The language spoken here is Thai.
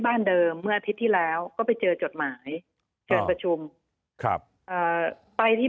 เดิมเมื่ออาทิตย์ที่แล้วก็ไปเจอจดหมายเชิญประชุมครับเอ่อไปที่